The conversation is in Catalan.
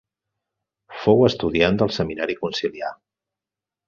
Fou estudiant del Seminari Conciliar.